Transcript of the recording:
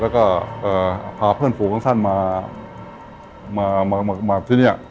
แล้วก็พาเพื่อนฝูงของท่านมาที่นี่